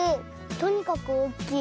とにかくおおきい。